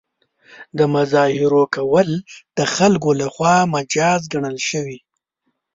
د مظاهرو کول د خلکو له خوا مجاز ګڼل شوي.